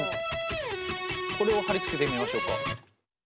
これを貼り付けてみましょうか。